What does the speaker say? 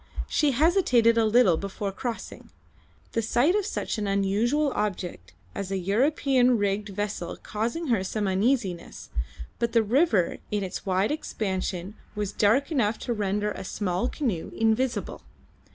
She hesitated a little before crossing, the sight of such an unusual object as an European rigged vessel causing her some uneasiness, but the river in its wide expansion was dark enough to render a small canoe invisible.